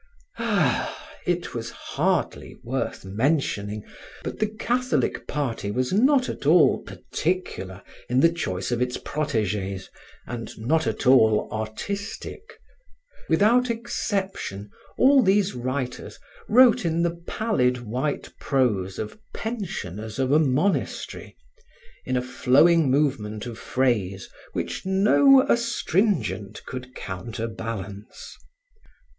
Ah! it was hardly worth mentioning, but the Catholic party was not at all particular in the choice of its proteges and not at all artistic. Without exception, all these writers wrote in the pallid white prose of pensioners of a monastery, in a flowing movement of phrase which no astringent could counterbalance.